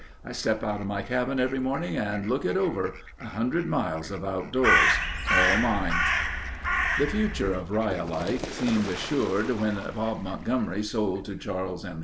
I step out of my cabin every morning and look it over—100 miles of outdoors. All mine." The future of Rhyolite seemed assured when Bob Montgomery sold to Charles M.